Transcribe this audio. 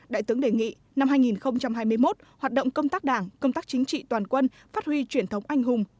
đại tướng đề nghị năm hai nghìn hai mươi một hoạt động công tác đảng công tác chính trị toàn quân phát huy truyền thống anh hùng